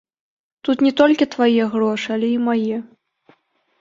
Тут не толькі твае грошы, але й мае.